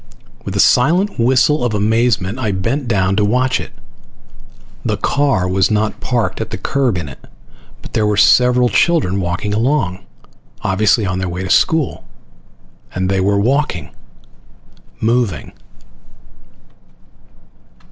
With a silent whistle of amazement I bent down to watch it. The car was not parked at the curb in it, but there were several children walking along, obviously on their way to school. And they were walking. Moving.